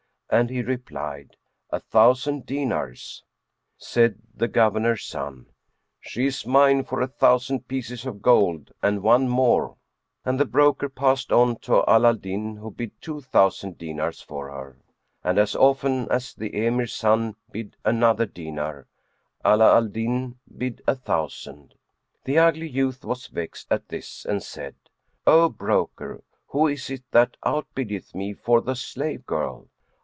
and he replied, "A thousand dinars." Said the Governor's son, "She is mine for a thousand pieces of gold and one more;" and the broker passed on to Ala al Din who bid two thousand dinars for her; and as often as the Emir's son bid another dinar, Ala al Din bid a thousand. The ugly youth was vexed at this and said, "O broker! who is it that outbiddeth me for the slave girl?"